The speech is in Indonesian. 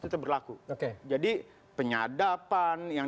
tetap berlaku jadi penyadapan yang